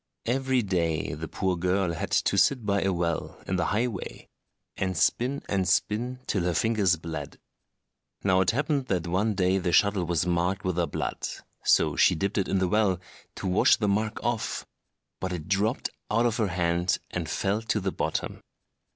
Every day the poor girl had to sit by a well, in the highway, and spin and spin till her fingers bled. Now it happened that one day the shuttle was marked with her blood, so she dipped it in the well, to wash the mark off; but it dropped out of her hand and fell to the bottom.